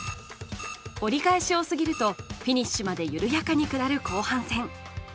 折り返しを過ぎるとフィニッシュまで緩やかに下る後半戦。